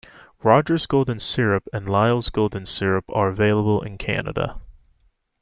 Rogers Golden Syrup and Lyle's golden syrup are available in Canada.